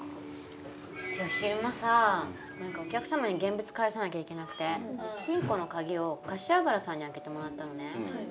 今日昼間さぁお客様に現物返さなきゃいけなくて金庫の鍵を柏原さんに開けてもらったのね。